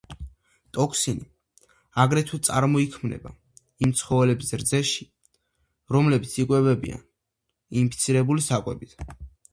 ტოქსინი აგრეთვე წარმოიქმნება იმ ცხოველების რძეში, რომლებიც იკვებებიან ინფიცირებული საკვებით.